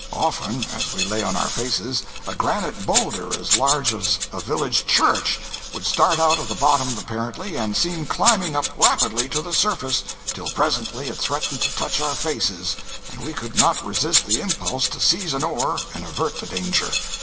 Often, as we lay on our faces, a granite boulder, as large as a village church, would start out of the bottom apparently, and seem climbing up rapidly to the surface, till presently it threatened to touch our faces, and we could not resist the impulse to seize an oar and avert the danger.